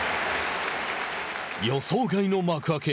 予想外の幕開け。